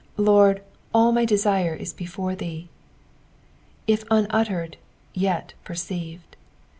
Lord, aU my detirt i* h^&re thee." If unuttered, yet perceived.